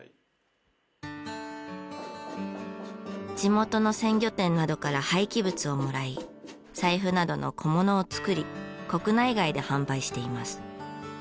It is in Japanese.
地元の鮮魚店などから廃棄物をもらい財布などの小物を作り国内外で販売しています。